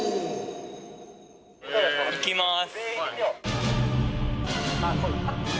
いきます。